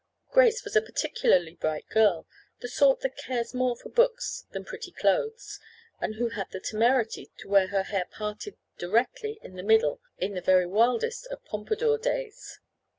Grace was a particularly bright girl, the sort that cares more for books than pretty clothes, and who had the temerity to wear her hair parted directly in the middle in the very wildest of pompadour days.